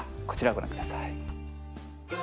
こちらをご覧ください。